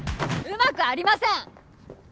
うまくありません。